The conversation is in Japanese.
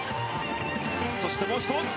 そして、もう１つ！